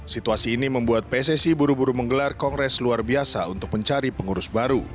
situasi ini membuat pssi buru buru menggelar kongres luar biasa untuk mencari pengurus baru